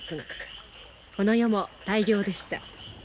この夜も大漁でした。